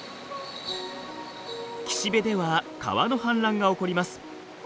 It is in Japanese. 岸辺では川の氾濫が起こります。